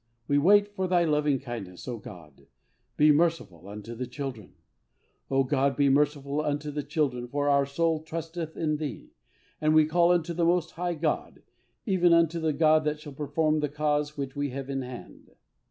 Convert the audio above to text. We wait for Thy lovingkindness, O God: be merciful unto the children: O God, be merciful unto the children, for our soul trusteth in Thee, and we call unto the Most High God, even unto the God that shall perform the cause which we have in hand.